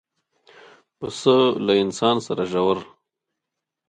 پسه له انسان سره ژور